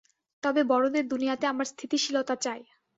তবে বড়োদের দুনিয়াতে আমার স্থিতিশীলতা চাই।